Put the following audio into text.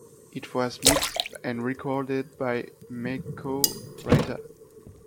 It was mixed and recorded by Mikko Raita.